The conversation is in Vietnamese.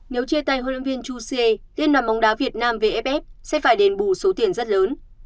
nếu chia tay huấn luyện viên chu xie tiên đoàn bóng đá việt nam vff sẽ phải đền bù số tiền rất lớn